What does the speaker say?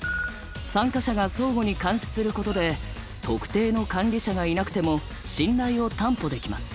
参加者が相互に監視することで特定の管理者がいなくても信頼を担保できます。